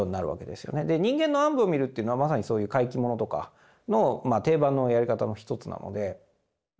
で人間の暗部を見るというのはまさにそういう怪奇ものとかの定番のやり方の一つなので。